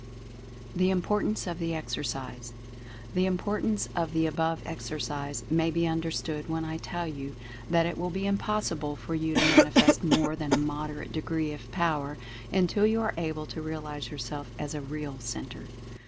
THE IMPORTANCE OF THE EXERCISE, The importance of the above exercise may be un derstood when I tell you that it will be impossible for you to manifest more than a moderate degree of Power until you are able to realize yourself as a real Centre.